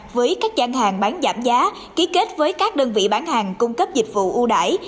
với các gian hàng bán giảm giá ký kết với các đơn vị bán hàng cung cấp dịch vụ ưu đải